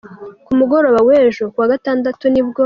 Ku mugoroba wejo kuwa gatandatu nibwo.